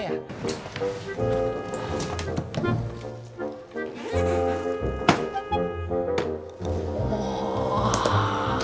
ini yang di sini